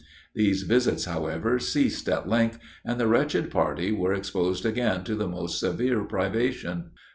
These visits, however, ceased at length, and the wretched party were exposed again to the most severe privation.